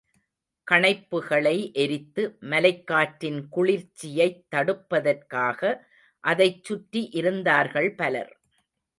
கணப்புகளை எரித்து மலைக்காற்றின் குளிர்ச்சியைத் தடுப்பதற்காக அதைச் சுற்றி இருந்தார்கள் பலர்.